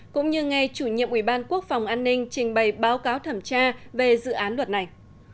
cũng như ngay chủ nhiệm ủy ban quốc phòng an ninh trình bày báo cáo thẩm tra về dự án luật này